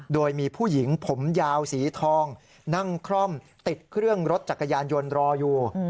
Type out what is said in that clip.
โดยมีผู้หญิงผมยาวสีทองนั่งคล่อมติดเครื่องรถจักรยานยนต์รออยู่